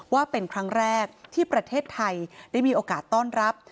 ว่าเป็นครั้งแรกที่ประเทศไทยได้มีโอกาสต้อนรับ